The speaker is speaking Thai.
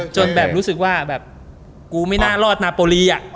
จนแบบรู้สึกว่าแบบกูไม่น่ารอดนาโปรีอะ